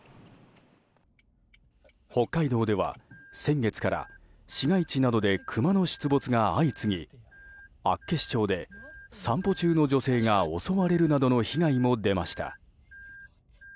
北海道では先月から市街地などでクマの出没が相次ぎ厚岸町で散歩中の女性が襲われるなどの被害も出ました。